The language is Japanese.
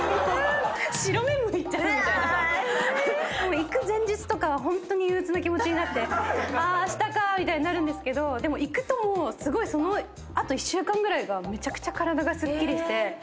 行く前日とかはホントに憂鬱な気持ちになってああしたかみたいになるんですけどでも行くとすごいその後１週間ぐらいがめちゃくちゃ体がすっきりして。